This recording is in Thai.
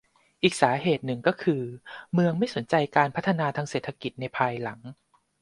อีกสาเหตุหนึ่งก็คือเมืองไม่สนใจการพัฒนาทางเศรษฐกิจในภายหลัง